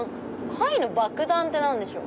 貝のばくだんって何でしょう？